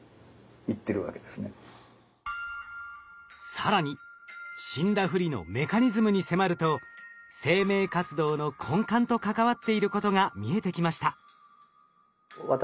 更に死んだふりのメカニズムに迫ると生命活動の根幹と関わっていることが見えてきました。